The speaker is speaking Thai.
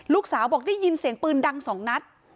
ลูกสาวบอกได้ยินเสียงปืนดัง๒นัด